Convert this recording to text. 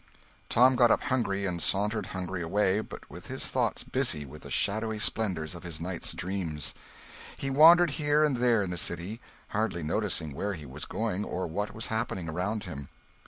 Tom got up hungry, and sauntered hungry away, but with his thoughts busy with the shadowy splendours of his night's dreams. He wandered here and there in the city, hardly noticing where he was going, or what was happening around him.